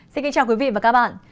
xin kính chào quý vị và các bạn